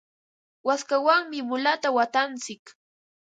waskawanmi mulata watantsik.